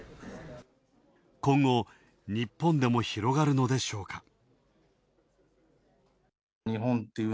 今後、日本でも広がるのでしょうか。